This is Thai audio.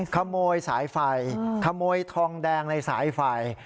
ขโมยสายไฟขโมยทองแดงในสายไฟ